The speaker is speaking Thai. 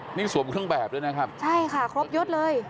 ใช่ค่ะครบยุทธ์เลย